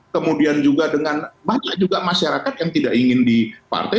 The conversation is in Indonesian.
kemudian juga dengan banyak juga masyarakat yang tidak ingin di partai